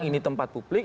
ini tempat publik